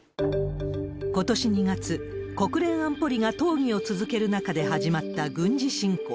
ことし２月、国連安保理が討議を続ける中で始まった軍事侵攻。